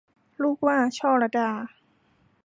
ลูกหว้า - ช่อลัดา